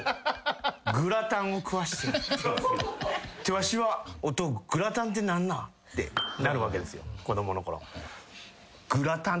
わしは「お父グラタンって何なん？」ってなるわけですよ子供のころ。